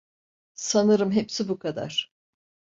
Sanırım hepsi bu kadar.